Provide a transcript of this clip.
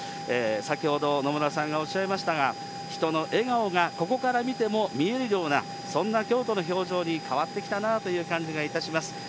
先ほど野村さんがおっしゃいましたが、人の笑顔が、ここから見ても見えるような、そんな京都の表情に変わってきたなという感じがいたします。